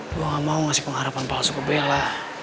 gue gak mau ngasih pengharapan palsu ke bella